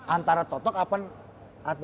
antara totok apa